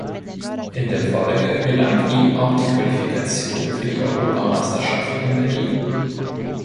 In der Folge gelang ihm auch die Qualifikation für die Europameisterschaften in Berlin.